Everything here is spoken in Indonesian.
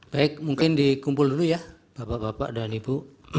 baik mungkin dikumpul dulu ya bapak bapak dan ibu